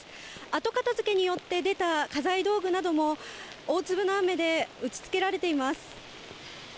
後片付けによって出た家財道具なども大粒の雨で打ち付けられています。